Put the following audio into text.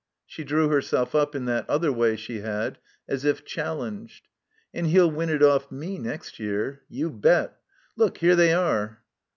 ' She drew herself up, in that other way she had, as if challenged. "And he'll win it oflf me next year. You bet. Look — ^here they are."